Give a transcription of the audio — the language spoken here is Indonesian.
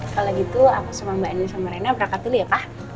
kalau gitu aku sama mbak ani sama rena berangkat dulu ya kak